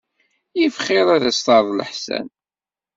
Iff xir ad as-terreḍ leḥsan.